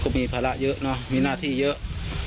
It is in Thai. มีภาระเยอะเนอะมีหน้าที่เยอะ